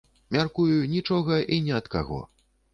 Мяркую, нічога і ні ад каго.